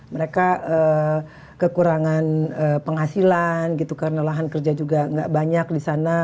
mereka kekurangan penghasilan gitu karena lahan kerja juga nggak banyak di sana